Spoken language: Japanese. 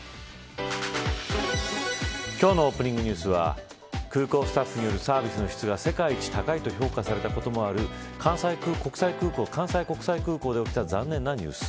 今日のオープニングニュースは空港スタッフによるサービスの質が世界一高いと評価されたこともある関西国際空港で起きた残念なニュース。